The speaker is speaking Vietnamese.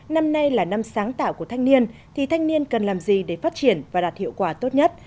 năm nay là năm sáng tạo của thanh niên thì thanh niên cần làm gì để phát triển và đạt hiệu quả tốt nhất